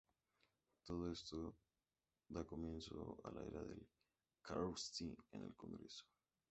Todo esto da comienzo a la era de Krusty en el Congreso.